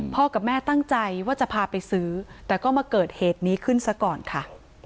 กับแม่ตั้งใจว่าจะพาไปซื้อแต่ก็มาเกิดเหตุนี้ขึ้นซะก่อนค่ะ